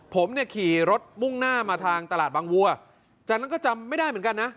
ผมเนี่ยขี่รถมุ่งหน้ามาทางตลาดบางวัวจากนั้นก็จำไม่ได้เหมือนกันนะ